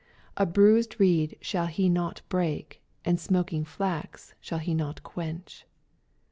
^^ A bruised reed shall he not break, and smoking flax shall he not quench.''